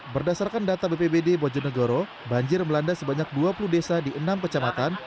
berdasarkan data bpbd bojonegoro banjir melanda sebanyak dua puluh desa di enam kecamatan